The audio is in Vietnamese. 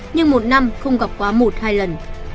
nhưng một năm không gặp quá một hai lần